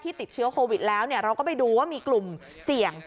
ติดเชื้อโควิดแล้วเราก็ไปดูว่ามีกลุ่มเสี่ยง